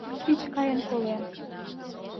Пич каен колем..